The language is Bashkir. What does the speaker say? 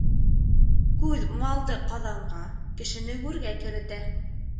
Күҙ малды ҡаҙанға, кешене гүргә керетә.